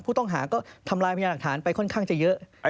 ผู้ต้องหาก็ทำลายพยานหลักฐานไปค่อนข้างจะเยอะ